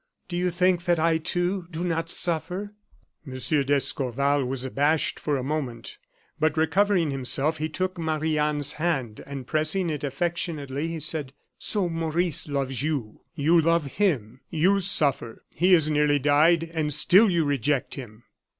Do you think that I, too, do not suffer?" M. d'Escorval was abashed for a moment; but recovering himself, he took Marie Anne's hand, and pressing it affectionately, he said: "So Maurice loves you; you love him; you suffer; he has nearly died, and still you reject him!"